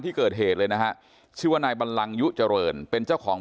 ที่เกิดเหตุเลยนะฮะชื่อว่านายบัลลังยุเจริญเป็นเจ้าของ